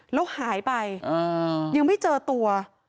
แล้วหายไปยังไม่เจอตัว